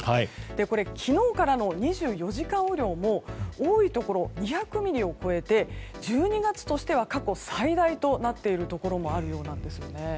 これ、昨日からの２４時間雨量も多いところで２００ミリを超えて１２月としては過去最大となっているところもあるようです。